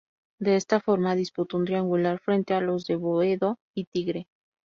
De esta forma, disputó un triangular frente a los de Boedo y Tigre.